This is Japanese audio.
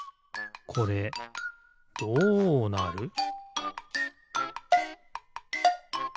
これどうなる？